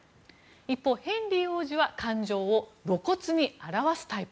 一方、ヘンリー王子は感情を露骨に表すタイプ。